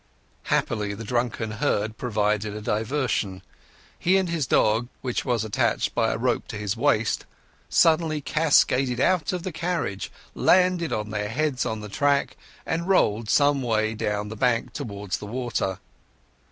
Happily the drunken herd provided a diversion. He and his dog, which was attached by a rope to his waist, suddenly cascaded out of the carriage, landed on their heads on the track, and rolled some way down the bank towards the water.